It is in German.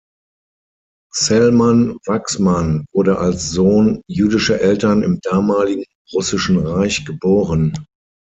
Selman Waksman wurde als Sohn jüdischer Eltern im damaligen Russischen Reich geboren.